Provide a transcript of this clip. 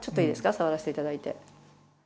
触らさせていただいて。